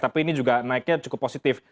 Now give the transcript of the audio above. tapi ini juga naiknya cukup positif